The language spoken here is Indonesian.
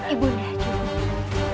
ibu nda cukup